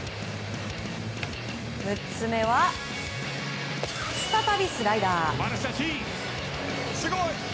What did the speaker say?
６つ目は、再びスライダー。